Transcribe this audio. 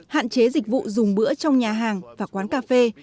hạn chế dịch vụ dùng bữa trong nhà hàng và quán cà phê